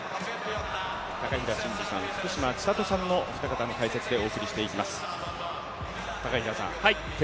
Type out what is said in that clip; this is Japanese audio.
高平慎士さん、福島千里さんのお二方の解説でお伝えしていきます。